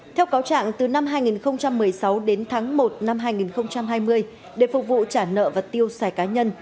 theo cáo trạng từ năm hai nghìn một mươi sáu đến tháng một năm hai nghìn hai mươi để phục vụ trả nợ và tiêu xài cá nhân